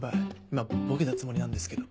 今ボケたつもりなんですけど。